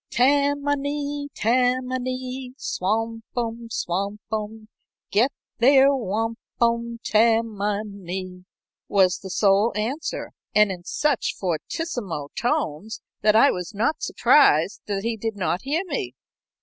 "Tam ma nee, Tam ma nee; Swampum, swampum, Get their wampum, Tam ma nee," was the sole answer, and in such fortissimo tones that I was not surprised that he did not hear me.